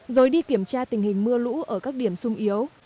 rồi đi kiểm tra tình hình mưa lũ ở các điểm sung yếu